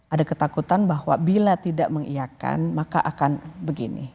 ada ketakutan bahwa bila tidak mengiakan maka akan begini